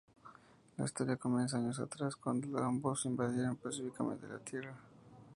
La historia comienza años atrás, cuando los Amos invadieron pacíficamente la Tierra.